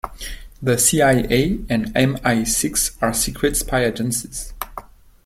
The CIA and MI-Six are secret spy agencies.